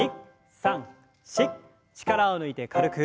力を抜いて軽く。